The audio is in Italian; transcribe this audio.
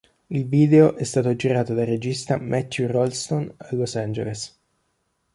Il video è stato girato dal regista Matthew Rolston a Los Angeles.